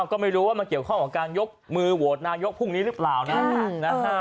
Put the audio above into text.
ก็ไม่รู้ว่ามันเกี่ยวข้องกับการยกมือโหวตนายกพรุ่งนี้หรือเปล่านะ